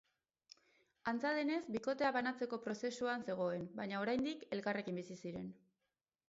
Antza denez bikotea banantzeko prozesuan zegoen, baina oraindik elkarrekin bizi ziren.